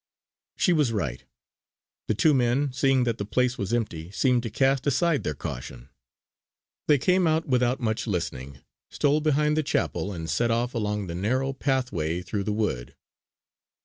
She was right. The two men, seeing that the place was empty, seemed to cast aside their caution. They came out without much listening, stole behind the chapel, and set off along the narrow pathway through the wood.